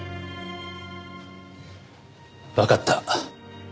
わかった。